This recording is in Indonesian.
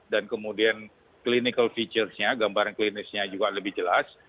dan kemudian clinical features nya gambaran klinisnya juga lebih jelas